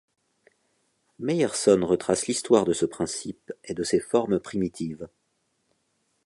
Meyerson retrace l’histoire de ce principe et de ses formes primitives.